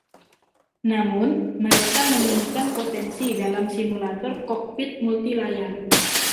Namun, mereka menemukan potensi dalam simulator kokpit multilayar.